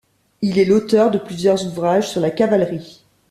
Il est l'auteur de plusieurs ouvrages sur la cavalerie.